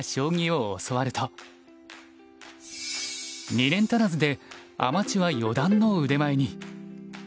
２年足らずでアマチュア四段の腕前に。